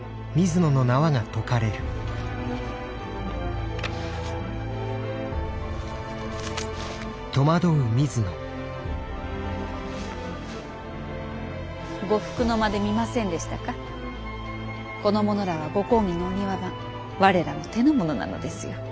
この者らはご公儀の御庭番我らの手のものなのですよ。